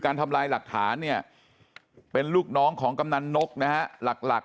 ทำลายหลักฐานเนี่ยเป็นลูกน้องของกำนันนกนะฮะหลัก